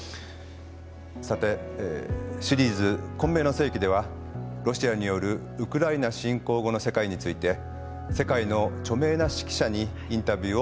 さてシリーズ「混迷の世紀」ではロシアによるウクライナ侵攻後の世界について世界の著名な識者にインタビューを行ってきました。